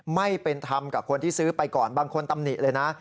ไม่เป็นธรรมกับคนที่ซื้อไปก่อนบางคนตำหนิเลยนะ